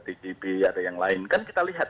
tgb ada yang lain kan kita lihat